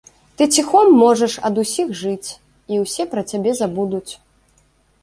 Ты ціхом можаш ад усіх жыць, і ўсе пра цябе забудуць.